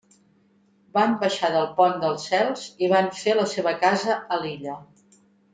Van baixar del pont dels cels i van fer la seva casa a l'illa.